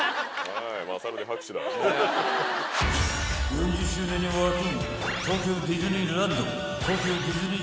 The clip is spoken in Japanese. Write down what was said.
［４０周年に沸く］